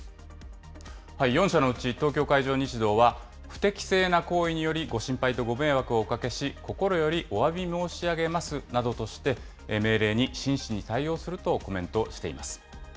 ４社のうち、東京海上日動は、不適正な行為によりご心配とご迷惑をおかけし、心よりおわび申し上げますなどとして、命令に真摯に対応するとコメントしています。